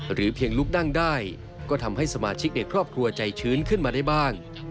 เพียงลุกนั่งได้ก็ทำให้สมาชิกในครอบครัวใจชื้นขึ้นมาได้บ้าง